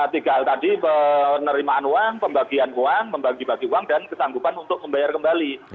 tiga hal tadi penerimaan uang pembagian uang membagi bagi uang dan kesanggupan untuk membayar kembali